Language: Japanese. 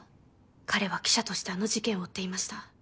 彼は記者としてあの事件を追っていました。